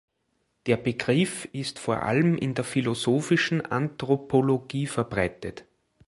Der Begriff ist vor allem in der Philosophischen Anthropologie verbreitet.